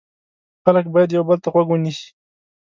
خلک باید یو بل ته غوږ ونیسي.